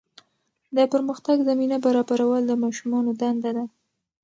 د پرمختګ زمینه برابرول د ماشومانو دنده ده.